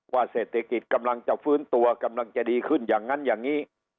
เศรษฐกิจกำลังจะฟื้นตัวกำลังจะดีขึ้นอย่างนั้นอย่างนี้